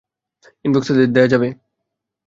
ইনবক্সে দেওয়া যাবে?